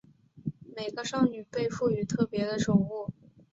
每个少女被赋与特别的宠物。